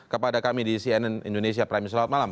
kepada kami di cnn indonesia prime selamat malam